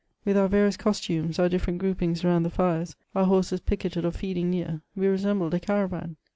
With our various costumes, our different groupings around the fires, our horses picketed or feeding near, we resembled a caravan.